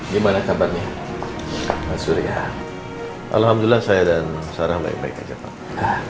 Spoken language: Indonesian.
gimana kabarnya mas surya alhamdulillah saya dan sarah baik baik aja pak